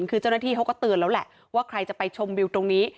คือเจ้าหน้าที่เขาก็เตือนแล้วแหละว่าใครจะไปชมวิวตรงนี้